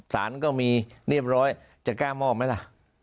สารก็มีเรียบร้อยจะกล้ามอบไหมล่ะ